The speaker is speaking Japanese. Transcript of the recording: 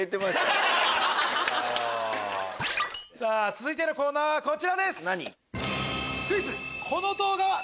続いてのコーナーはこちらです！